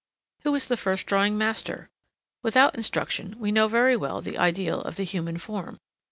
Who is the first drawing master? Without instruction we know very well the ideal of the human form.